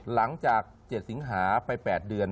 หลังจาก๗สิงหาไป๘เดือน